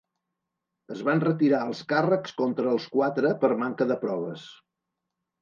Es van retirar els càrrecs contra els quatre per manca de proves.